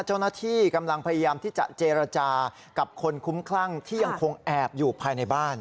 เจ้าหน้าที่กำลังพยายามที่จะเจรจากับคนคุ้มคลั่งที่ยังคงแอบอยู่ภายในบ้าน